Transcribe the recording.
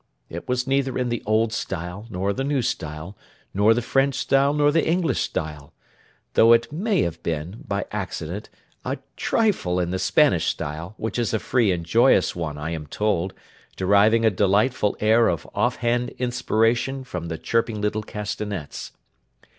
It was neither in the old style, nor the new style, nor the French style, nor the English style: though it may have been, by accident, a trifle in the Spanish style, which is a free and joyous one, I am told, deriving a delightful air of off hand inspiration, from the chirping little castanets.